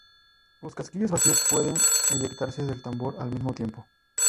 Los casquillos vacíos pueden eyectarse del tambor al mismo tiempo.